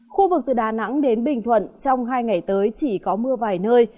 khu vực từ đà nẵng đến bình thuận trong hai ngày tới chỉ có mưa vài nơi